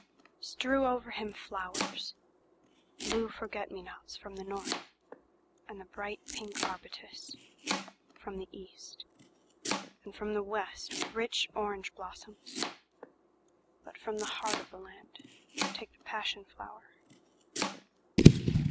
Strew over him flowers; Blue forget me nots from the north, and the bright pink arbutusFrom the east, and from the west rich orange blossoms, But from the heart of the land take the passion flower.